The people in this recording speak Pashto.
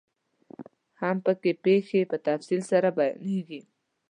هم پکې پيښې په تفصیل سره بیانیږي.